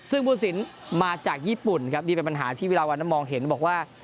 ซึ่งผู้สินมาจากญี่ปุ่นครับนี่เป็นปัญหาที่วิราวันนั้นมองเห็นบอกว่า